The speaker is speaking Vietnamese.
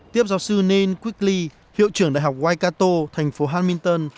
tiếp giáo sư neil quigley hiệu trưởng đại học waikato thành phố hamilton